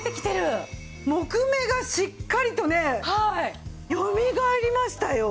木目がしっかりとねよみがえりましたよ。